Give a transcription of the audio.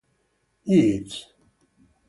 Yeats.